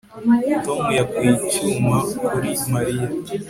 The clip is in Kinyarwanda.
Tom yakuye icyuma kuri Mariya